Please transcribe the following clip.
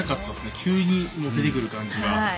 急に出てくる感じが。